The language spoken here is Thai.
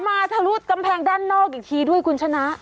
ทะลุกำแพงด้านนอกอีกทีด้วยคุณชนะ